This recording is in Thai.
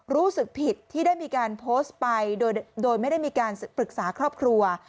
รู้สึกผิดที่ได้มีการโพสต์ไปโดยไม่ได้มีการปรึกษาครอบครัว